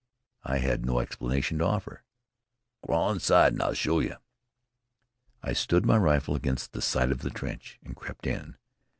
I had no explanation to offer. "Crawl inside an' I'll show you." I stood my rifle against the side of the trench and crept in.